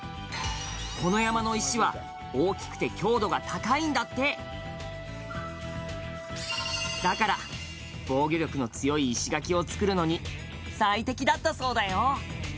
この山の石は大きくて強度が高いんだってだから防御力の強い石垣を作るのに最適だったそうだよ